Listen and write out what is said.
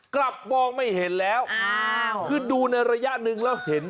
กลับมองไม่เห็นแล้วคือดูในระยะหนึ่งแล้วเห็น